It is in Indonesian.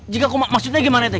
jika aku maksudnya gimana teh